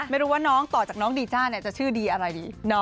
ไม่รู้ว่าน้องต่อจากน้องดีจ้าจะชื่อดีอะไรดี